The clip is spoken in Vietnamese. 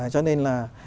cho nên là